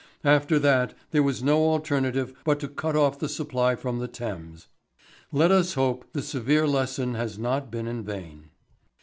After that there was no alternative but to cut off the supply from the Thames. Let us hope the severe lesson has not been in vain.